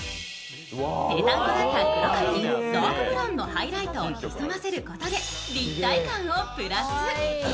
ペタンコだった黒髪にダークブラウンのハイライトを潜ませることで立体感をプラス。